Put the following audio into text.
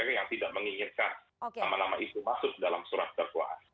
yang tidak menginginkan nama nama itu masuk dalam surat dakwaan